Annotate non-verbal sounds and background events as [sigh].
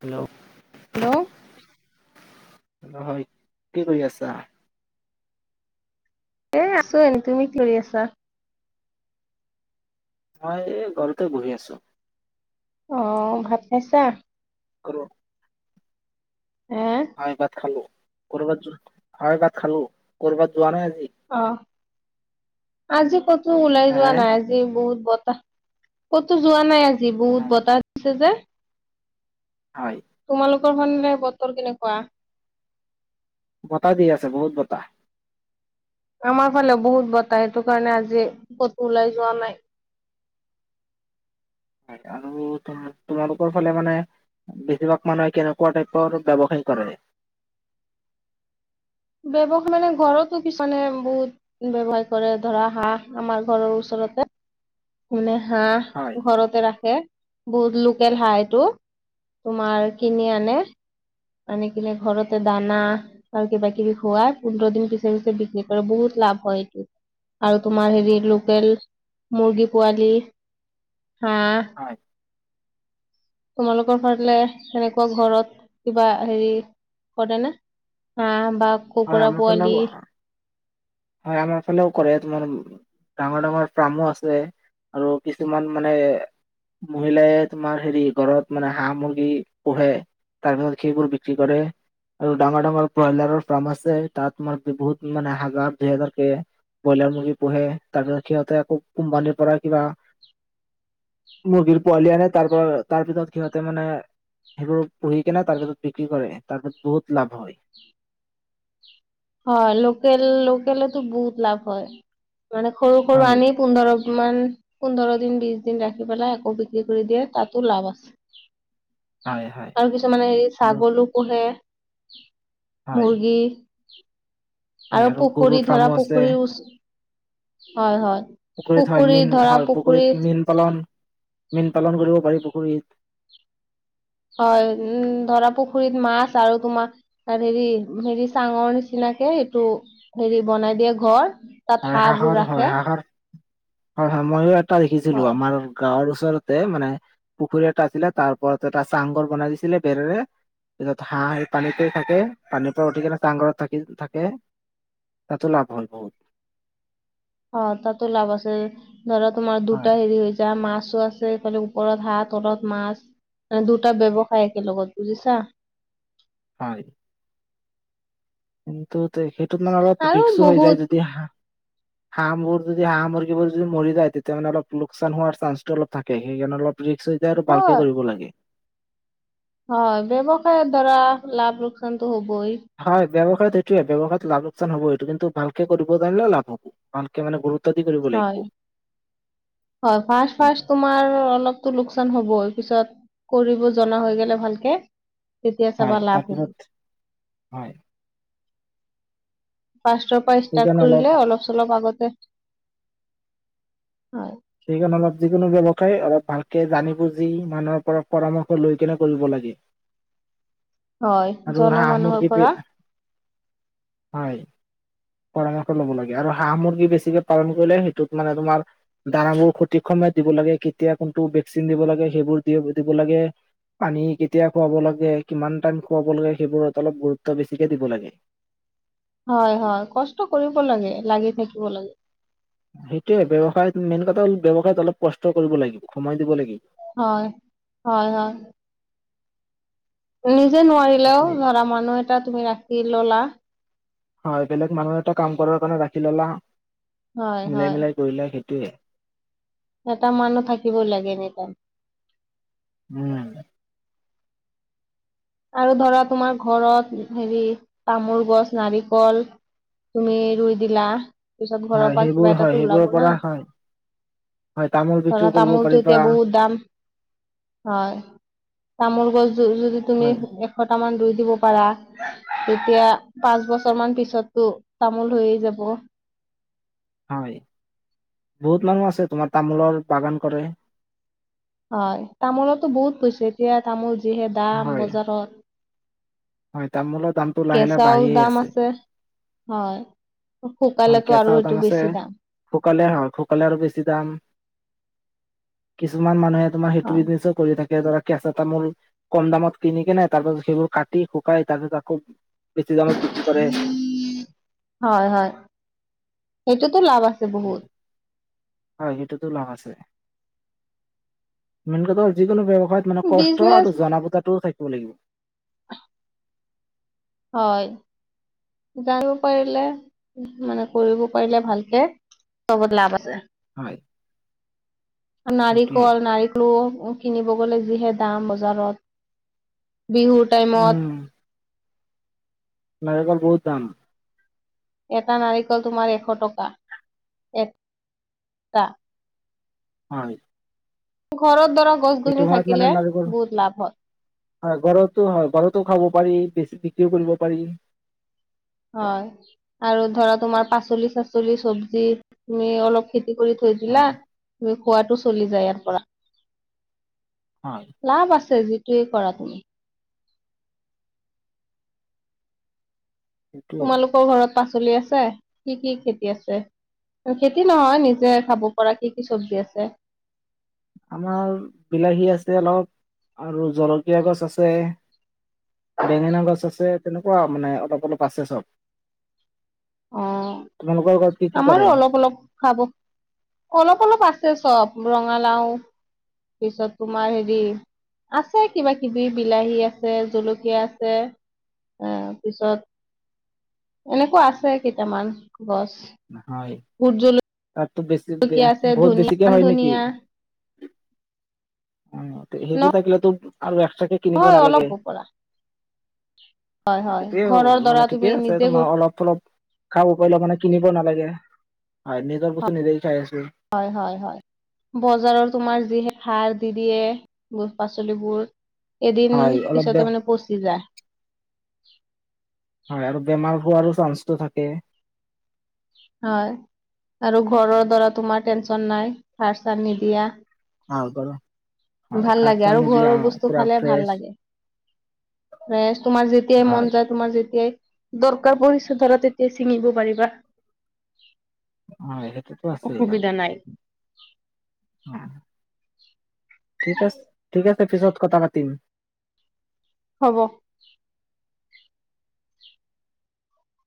Hello hello নহয় কি কৰি আছা এ আছো এনে তুমি কি কৰি আছা মই এই ঘৰতে বহি আছোঁ অঁ ভাত খাইছা আৰু অঁ হয় ভাত খালো কৰ'বাত যোৱা নাই ভাত খালো কৰ'বাত যোৱা নাই আজি? অঁ আজি ক ওলাই হে যোৱা নাই আজি বহুত বতাহ ক'তো যোৱা নাই আজি যে বহুত উম বতাহ দিছে যে হয় তোমালোকৰ ফালে বতৰ বিলাক কেনেকুৱা বতাহ দি আছে বহুত বঁতাহ আমাৰ ফালে বহুত বতাহ সেইটো কাৰণে আজি কতো ওলাই যোৱা নাই হয় আৰু তোমালোকৰ ফালে মানে বেছিভাগ মানুহে কেনেকুৱা টাইপৰ ব্যৱসায় কৰে বৱসায় মানে ঘৰতো কিছুমানে বহুত ব্যৱসায় কৰে ধৰা হাঁহ আমাৰ ঘৰৰ ওচৰতে মানে হয় হাহঁ ঘৰতে ৰাখে বহুত লোকেল হাহঁ এইটো তোমাৰ কিনি আনে আনি কিনে ঘৰতে দানা আৰু কিবা কিবি খোৱাই পোন্ধৰ দিন পিছে পিছে বিক্ৰী কৰে বহুত লাভ হয় এইটো আৰু তোমাৰ হেৰি লোকেল মুৰ্গী পোৱালি হা হয় তোমালোকৰ ফালে তেনেকুৱা ঘৰত কিবা হেৰি কৰে নে হাহঁ বা হয় কুকুৰা আমাৰ ফালেও পোৱালি হয় আমাৰ ফালেও কৰে তোমাৰ ডাঙৰ ডাঙৰ ফাৰ্মো আছে আৰু কিছুমান মানে মহিলাই তোমাৰ হেৰি ঘৰত মানে হাঁহ মুৰ্গী পোহে তাৰপিছত সেইবোৰ বিক্ৰী কৰে আৰু ডাঙৰ ডাঙৰ ব্ৰইলাৰৰ ফাৰ্ম আছে তাত মই বহুত মানে হাজাৰ দুই হাজাৰকে ব্ৰইলাৰ মুৰ্গী পোহে তাৰপিছত সিহঁতে আকৌ কোম্পানীৰ পৰা কিবা মুৰ্গীৰ পোৱালি আনে তাৰ পৰা তাৰপিছত সিহঁতে মানে সেইবোৰ পুহি কিনে তাৰপিছত বিক্ৰী কৰে তাৰপিছত বহুত লাভ হয় হয় লোকেল লোকলেতো বহুত লাভ হয় মানে সৰু সৰু হয় আনি পোন্ধৰ কিমান পোন্ধৰ দিন বিশ দিন ৰাখি পেলাই আকৌ বিক্ৰী কৰি দিয়ে তাতো লাভ আছে হয় হয় আৰু কিছুমানে হেৰি আৰু ছাগলী পোহে উম হয় মুৰ্গী [unintelligible] হয় আৰু পুখুৰী গৰুৰ ধৰা ফাৰ্মো আছে পুখুৰী ওচৰত হয় হয় পুখুৰীত হয় মীন হয় পুখুৰীত মীন পালন মীন পালন কৰিব পাৰি পুখুৰীত হয় উম ধৰা পুখুৰীত মাছ আৰু তোমাৰ হেৰি হেৰি চাঙৰ নিচিনাকে এইটো হেৰি বনাই দিয়ে ঘৰ তাত হয় হাঁহবোৰ হাঁহৰ হয় ৰাখে হাঁহৰ হয় হয় ময়ো টা দেখিছিলো হয় আমাৰ গাঁৱৰ ওচৰতে মানে পুখুৰী এটা আছিলে তাৰ ওপৰত এটা চাংঘৰ বনাই দিছিলে বেৰেৰে পিছত হাঁহ পানীতে থাকে পানীৰ পৰা উঠি কিনে চাংঘৰত থাকি থাকে তাতো লাভ হল বহুত অ তাতো লাভ আছে ধৰা তোমাৰ দুটা হয় হেৰি হৈ যায় মাছো আছে ফালে ওপৰত হাত তলত মাছ এ দুটা ব্যৱসায় একেলগত বুজিছা হয় কিন্তু তেখেত তোমাৰ অলপ আৰু ৰিস্ক ও হৈ বহুত যায় যদি হাঁ হাঁবোৰ যদি হাহ মুৰ্গীবোৰ যদি মৰি যায় তেতিয়া হল্ অলপ লোকচান হোৱাৰ চান্সটো অলপ থাকে সেইকাৰণে অলপ ৰিক্স এতিয়া আৰু ভালকে হয় কৰিব লাগে হয় ব্যৱসায়ৰ দ্বাৰা লাভ লোকচানটো হ'ব বই হয় ব্যৱসায়ত এইটোয়ে ব্যৱসায় লাভ লোকচান হব এইটো কিন্তু ভালকে কৰিব পাৰিলে লাভ হব ভালকে মানে গুৰুত্ব গুৰুত্ব দি কৰিব হয় লাগিব হয় ফাষ্ট ফাষ্ট তোমাৰ অলপতো লোকচান হ'বই পিছত কৰিব জনা হৈ গলে ভালকে তেতিয়া হয় চাবাৰ লাভ হব তাৰপিছত হয় ফাষ্ট পৰা ষ্টাৰ্ট কৰিলে অলপ চলপ আগত এ সেইকাৰণে অলপ যিকোনো ব্যৱসায় অলপ ভালকে জানি বুজি মানুহৰ পৰা পৰামৰ্শ লৈ কেনে কৰিব লাগে হয় আৰু জনা হাঁহ মানুহৰ মুৰ্গী পৰা হয় পৰামৰ্শ লব লাগে আৰু হাঁহ মুৰ্গী বেছিকে পালন কৰিলে সেইটোত মানে তোমাৰ দানাবোৰ সঠিক সময়ত দিব লাগে কেতিয়া কোনটো ভেকচিন দিব লাগে সেইবোৰ দিব লাগে পানী কেতিয়া খুৱাব লাগে কিমান টাইম খুৱাব লাগে সেইবোৰত অলপ গুৰুত্ব বেছিকে দিব লাগে হয় হয় কষ্ট কৰিব লাগে লাগি থাকিব লাগে সেইটোয়ে ব্যৱসায়ত মেইন কথা ব্যয়ৱসায়ত অলপ কষ্ট কৰিব লাগিব সময় দিব লাগিব হয় হয় হয় উম যে নোৱাৰিলেও সেইটোয়ে ধৰা মানুহ এটা তুমি ৰাখ কি ল'লা হয় বেলেগ মানুহ এটা কাম কৰাৰ কাৰণে ৰাখি ললা হয় মিলাই হয় মিলাই কৰিলা সে সেইটোৱেই এটা মানুহ থাকিব লাগে এনিটাইম উম আৰু ধৰা তোমাৰ ঘৰত হেৰি তামোল গছ নাৰিকল তুমি ৰুই দিলা তাৰ পিছত হয় ঘৰৰ পৰা সেইবোৰ কিবা এটা হয় সেইবোৰৰ ওলাব না পৰা হয় হয় তামোল বিক্ৰী ধৰা কৰিব পাৰি তামোলটো বা এতিয়া বহুত দাম হয় তামোল গছ উম উ [unintelligible] তুমি হয় এশটা মান ৰোই দিব পাৰা তেতিয়া পাঁচ বছৰ মান পিছতো তামোল হৈয়ে যাব হয় বহুত মানুহ আছে তোমাৰ তামোলৰ বাগান কৰে হয় তামোলো বহুত পইছ এতিয়া তামোল যিহে দাম হয় বজাৰত হয় তামমোলৰ দামটো লাহে লাহে কেঁচাও বাঢ়িয়েই দাম আছে হয় শুকালেটো আৰু কেঁচাও দাম এইটো আছে বেছি দাম শুকালে হয় শুকালে আৰু বেছি দাম কিছুমান মানুহে তোৰ সেইটো হয় বিছিনেছটোকৰি থাকে এতিয়া ধৰা কেঁচা তামোল কম দামত কিনি কিনে তাৰপাছত সেইবোৰ কাট শুকাই তাৰপিছত আকৌ বেছি দামত বিক্ৰী কৰে হয় হয় সেইটো কত লাভ আছে বহুত হয় সেই টোটো লাভ আছে মেইনকেটো যিকোনো ব্যৱসাই হয় মানে কষ্ট আৰু বিজনেচ জনা বুজাটো থাকে কৰিব লাগিব হয় জানিব পাৰিলে মানে কৰিব পাৰিলে ভালকে চবত লাভ আছে হয় সেইটোৱে নাৰিকল নাৰিকলো কিনিব গ'লে যিহে দাম বজাৰত বিহু উম টাইমত নাৰিকল বহুত দাম এটা নাৰিকল তোমাৰ এশ টকা হয় ঘৰৰ দৰব গছ সেইটো গছনি সময়ত মানে থাকিলে নাৰিকল বহুত লাভ হয় হয় ঘৰতৰতো হয় ঘৰত ও খাব পাৰি বেছি বিক্ৰীও কৰিব পাৰি হয় আৰু ধৰা তোমাৰ পাচলি চাচলি চব্জী তুমি অলপ কৰি থৈ দিলা হয় খোৱা টো চলি যায় ইয়াৰ পৰা হয় লাভ আছে যি এইটোৱে কৰা তুমি সেইটোয়ে তোমালোকৰ ঘৰত পাচলি আছে কি কি খেতি আছে খেতি নহয় নিজে খাব পৰা কি কি চব্জি আছে আমাৰ বিলাহী আছে অলপ আৰু জলকীয়া গছ আছে বেঙেনা গছ আছে তেনেকুৱা মানে অলপ অলপ আছে চব অ তোমালোকৰ ঘৰত কি কি কৰে আমাৰো অলপ অলপ খাব অলপ অলপ আছে চব ৰঙালাও পিছত তোমাৰ হেৰি আছে কিবা কিবি বিলাহী আছে জলকীয়া আছে এ পিছত এনেকুৱা আছে কেটামান গছ হয় ভোট ত বেছি জলকীয়া আছে বহুত ধনিয়া বেছি কৈ মান হয় নেকি ধনিয়া সেইবোৰ থাকিলেতো আৰু কিনিব নহয় নালাগে অলপ পৰা হয় হয় সেইটোয়ে হ ঘৰৰ দৰা মানে ঠিক তুমি আছে নিজে তোমাৰ অলপ অলপ খাব কলে মানে কিনিব নালাগে হয় নিজৰ বস্তু নিজেেই খাই আাছা হয় হয় হয় বজাৰৰ তোমাৰ যি হে সাৰ দি দিয়ে শাক পাচলিবোৰ এদিন হয় অলপ বে পিছতে মানে পচি যায় [unintelligible] হয় আৰু বে মা হোৱাৰো চান্সটো থাকে হয় আৰু ঘৰৰ দাৰ তোমাৰ টেনচন নাই সাৰ চাৰ নিদিয়া আহ বাৰু হয় ভাল খাৰ লাগে আৰু পানী দিয়া ঘৰৰ বস্তু পুৰা খালে ভাল ফ্ৰেছ লাগে ম তোমাৰ যেতিয়াই মন হয় যায় তোমাৰ যেতিয়াই দৰকাৰ পৰিচা ধৰা তেতিয়া ছিঙিব পাৰিবা [unintelligible] হয় সেইটোতো আছে আৰু অসুবিধা নাই [unintelligible] ঠিক আছে ঠিক আছে। পিছত কথা পাতিম। হ'ব।